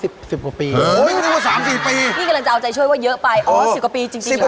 สิบสี่ปีจริงหรอ